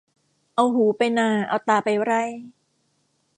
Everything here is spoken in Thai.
เอาหูไปนาเอาตาไปไร่